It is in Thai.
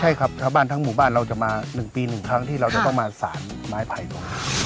ใช่ครับชาวบ้านทั้งหมู่บ้านเราจะมา๑ปี๑ครั้งที่เราจะต้องมาสารไม้ไผ่ลง